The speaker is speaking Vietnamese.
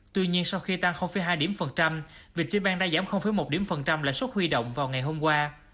tuy nhiên sau khi tăng hai điểm phần trăm vietjinbank đã giảm một điểm phần trăm lãi suất huy động vào ngày hôm qua